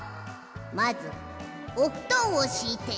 まずおふとんをしいて。